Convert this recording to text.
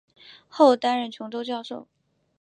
后担任琼州教授。